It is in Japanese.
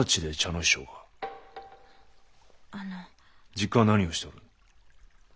実家は何をしておる？